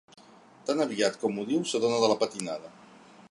Tan aviat com ho diu s'adona de la patinada.